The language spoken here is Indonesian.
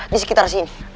di sekitar sini